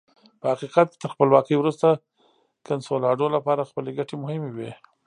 په حقیقت کې تر خپلواکۍ وروسته کنسولاډو لپاره خپلې ګټې مهمې وې.